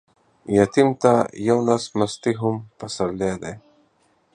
يتيم ته يو نس مستې هم پسرلى دى.